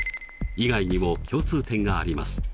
以外にも共通点があります。